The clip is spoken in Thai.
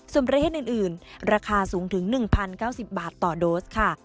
ส่วนประเทศอื่นราคาสูงถึง๑๐๙๐บาทต่อโดสค่ะ